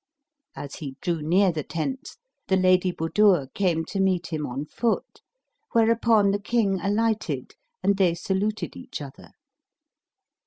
As he drew near the tents the Lady Budur came to meet him on foot, whereupon the King alighted and they saluted each other.